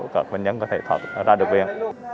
các bệnh nhân có thể thỏa ra được viện